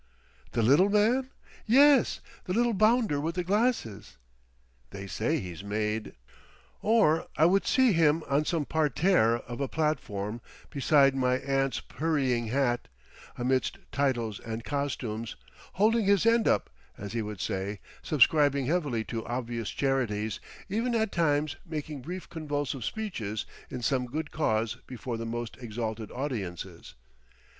"The little man?" "Yes, the little bounder with the glasses." "They say he's made—"... Or I would see him on some parterre of a platform beside my aunt's hurraying hat, amidst titles and costumes, "holding his end up," as he would say, subscribing heavily to obvious charities, even at times making brief convulsive speeches in some good cause before the most exalted audiences.